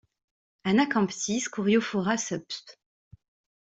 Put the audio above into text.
Anacamptis coriophora subsp.